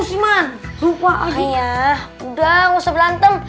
sih man lupa aja ya udah usah belantem